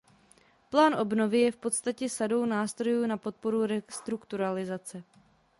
Plán obnovy je v podstatě sadou nástrojů na podporu restrukturalizace.